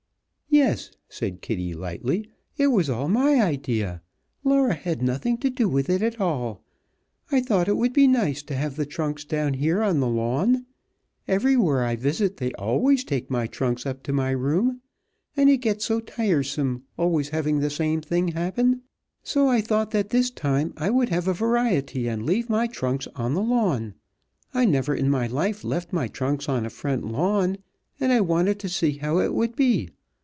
"Yes," said Kitty, lightly. "It was my idea. Laura had nothing to do with it at all. I thought it would be nice to have the trunks down here on the lawn. Everywhere I visit they always take my trunks up to my room, and it gets so tiresome always having the same thing happen, so I thought that this time I would have a variety and leave my trunks on the lawn. I never in my life left my trunks on a front lawn, and I wanted to see how it would be.